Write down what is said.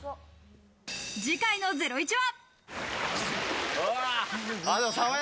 次回の『ゼロイチ』は。